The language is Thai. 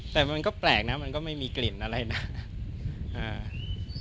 แต่มันก็แปลกนะมันก็ไม่มีกลิ่นอะไรนะ